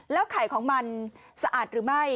ไข่ของมันสะอาดหรือไม่